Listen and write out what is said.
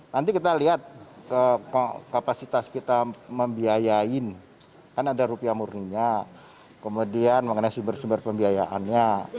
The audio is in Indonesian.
nanti kita lihat kapasitas kita membiayain kan ada rupiah murninya kemudian mengenai sumber sumber pembiayaannya